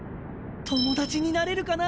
友達になれるかな？